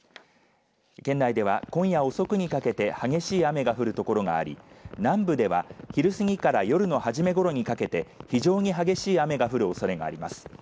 県内では今夜遅くにかけて激しい雨が降る所があり南部では昼過ぎから夜のはじめごろにかけて非常に激しい雨が降るおそれもあります。